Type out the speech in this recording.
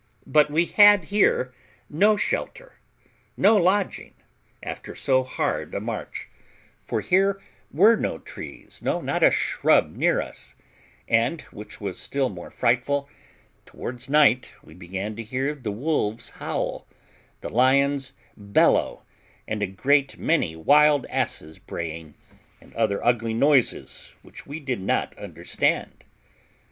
But we had here no shelter, no lodging, after so hard a march; for here were no trees, no, not a shrub near us; and, which was still more frightful, towards night we began to hear the wolves howl, the lions bellow, and a great many wild asses braying, and other ugly noises which we did not understand.